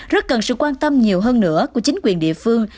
rất cần sự quan tâm nhiều hơn nữa của chính quyền địa phương